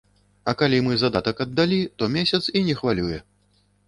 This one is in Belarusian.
А калі мы задатак аддалі, то месяц, і не хвалюе.